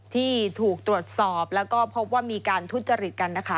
ที่ถูกตรวจสอบแล้วก็พบว่ามีการทุจริตกันนะคะ